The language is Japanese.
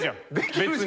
別に。